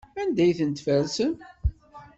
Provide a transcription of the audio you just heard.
Anda ay ten-tfersem?